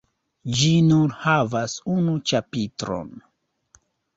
Ĝi nur havas unu ĉapitron.